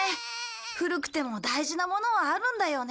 古くても大事なものはあるんだよね。